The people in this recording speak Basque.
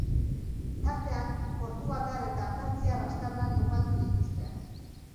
Tartean portugaldar eta pertsiar aztarnak topatu dituzte.